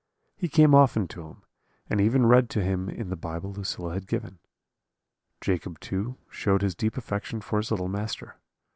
He came often to him, and even read to him in the Bible Lucilla had given. Jacob too showed his deep affection for his little master.